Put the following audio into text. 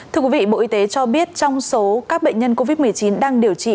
thưa quý vị bộ y tế cho biết trong số các bệnh nhân covid một mươi chín đang điều trị